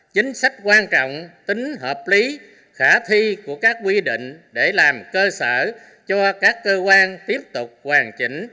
chính sách quan trọng tính hợp lý khả thi của các quy định để làm cơ sở cho các cơ quan tiếp tục hoàn chỉnh